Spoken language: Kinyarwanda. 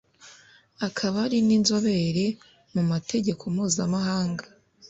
akaba ari ni inzobere mu mategeko mpuzamahanga